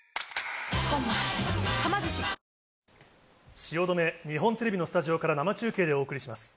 汐留・日本テレビのスタジオから生中継でお送りします。